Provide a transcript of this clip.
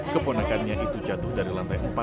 keponakannya itu jatuh dari lantai empat